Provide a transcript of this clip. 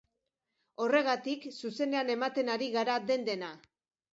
Horregatik, zuzenean ematen ari gara den-dena.